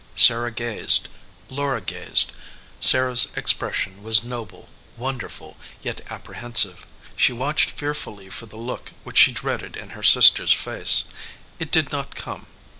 Sarah gazed, Laura gazed. Sarah s expression was noble, wonderful, yet ap prehensive. She watched fearfully for the look which she dreaded in her sister s face. It did not come.